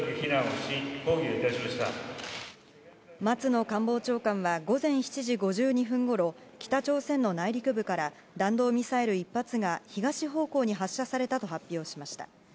松野官房長官は午前７時５２分ごろ北朝鮮の内陸部から弾道ミサイル１発が東方向に発射されたと発表しました。